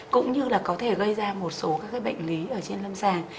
cũng như là có thể gây ra một số các bệnh lý ở trên lâm sàng